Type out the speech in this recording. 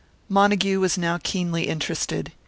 Montague was now keenly interested.